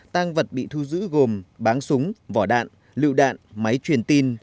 tăng vật bị thu giữ gồm bán súng vỏ đạn lựu đạn máy truyền tin